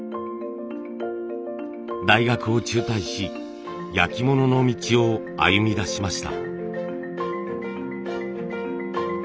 大学を中退し焼き物の道を歩みだしました。